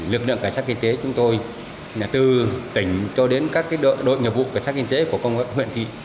lực lượng cảnh sát kinh tế chúng tôi từ tỉnh cho đến các đội nghiệp vụ cảnh sát kinh tế của công an huyện thị